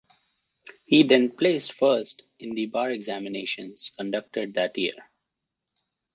He then placed first in the bar examinations conducted that year.